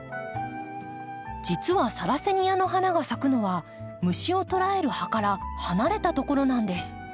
実はサラセニアの花が咲くのは虫を捕らえる葉から離れたところなんです。